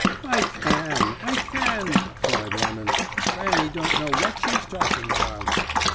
"'I can, I can,' cried Lemon. 'Fanny don't know what she's talking about.'